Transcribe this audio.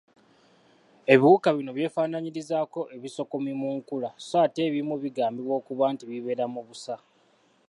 Ebiwuka bino byefaananyirizaako ebisokomi mu nkula so ate ebimu bigambibwa okuba nti bibeera mu busa.